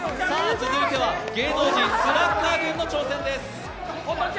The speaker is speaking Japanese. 続いては芸能人スラッガー軍の挑戦です。